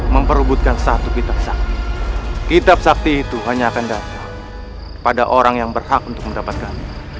memperbutkan satu kitab sakti kitab sakti itu hanya akan datang kepada orang yang berhak untuk mendapatkan